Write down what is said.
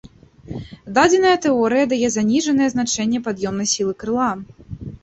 Дадзеная тэорыя дае заніжанае значэнне пад'ёмнай сілы крыла.